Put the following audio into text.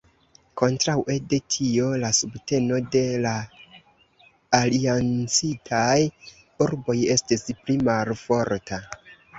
Kontraŭe de tio la subteno de la aliancitaj urboj estis pli malforta.